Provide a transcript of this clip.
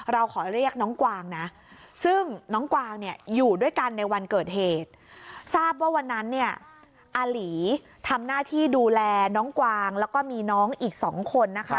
เราขอเรียกน้องกวางนะ